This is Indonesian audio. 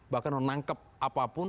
bahkan menangkap apapun